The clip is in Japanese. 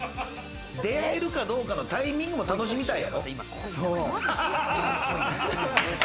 出会えるかどうかのタイミングも楽しみたいやろ。